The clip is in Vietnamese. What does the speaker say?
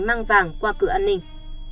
mang vàng qua cử an ninh